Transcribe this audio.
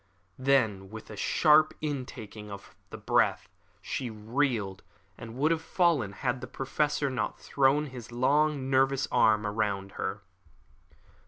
Then with a sharp intaking of the breath she reeled, and would have fallen had the Professor not thrown his long, nervous arm round her.